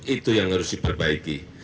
itu yang harus diperbaiki